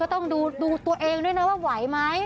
ต้องดูตัวเองด้วยนะว่าไหวไหม